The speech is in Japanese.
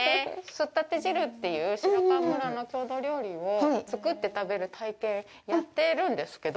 すったて汁っていう白川村の郷土料理を作って食べる体験やってるんですけど。